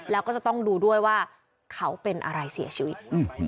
แล้วก็จะต้องดูด้วยว่าเขาเป็นอะไรเสียชีวิต